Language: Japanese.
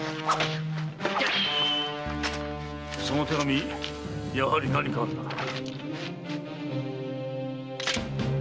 その手紙やはり何かあるな。